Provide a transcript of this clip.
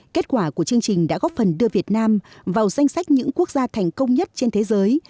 kết quả của chương trình đã góp phần đưa việt nam vào danh sách những quốc gia thành công nhất trên thế giới